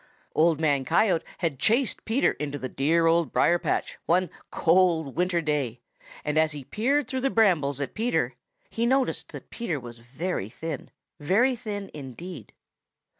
Old Man Coyote had chased Peter into the dear Old Briar patch one cold winter day, and as he peered through the brambles at Peter he noticed that Peter was very thin, very thin indeed.